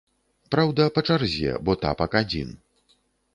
Праўда, па чарзе, бо тапак адзін.